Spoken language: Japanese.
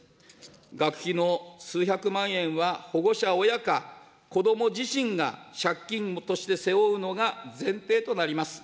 学費の数百万円は保護者、親か、子ども自身が借金として背負うのが前提となります。